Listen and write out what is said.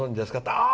ああ！